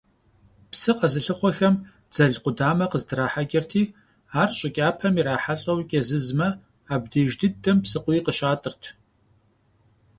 Псы къэзылъыхъуэхэм дзэл къудамэ къыздрахьэкӀырти, ар щӀы кӀапэм ирахьэлӀэу кӀэзызмэ, абдеж дыдэм псыкъуий къыщатӀырт.